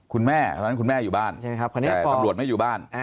คุณแม่เพราะฉะนั้นคุณแม่อยู่บ้านแต่ตำรวจไม่อยู่บ้าน